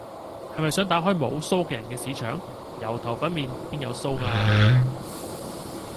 係咪想打開無鬚嘅人嘅巿場？油頭粉面，邊有鬚呀？